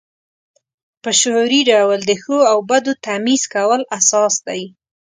په شعوري ډول د ښو او بدو تمیز کول اساس دی.